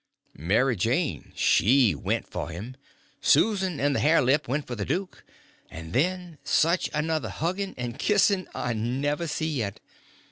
Mary Jane she went for him, Susan and the hare lip went for the duke, and then such another hugging and kissing I never see yet.